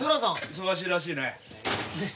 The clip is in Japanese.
忙しいらしいね。